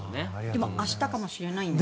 でも明日かもしれない。